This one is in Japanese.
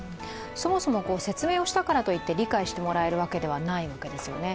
そもそも説明したからといって理解してもらえるわけではないわけですよね。